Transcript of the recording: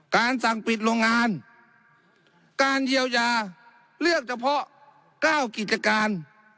การสั่งปิดโรงงานการเยียวยาเลือกเฉพาะ๙กิจการ